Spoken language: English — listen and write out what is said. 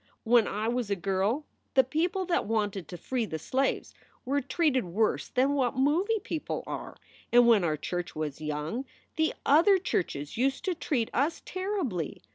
When I was a girl the people that wanted to free the slaves were treated worse than what movie people are, and when our church was young the other churches used to treat us terribly.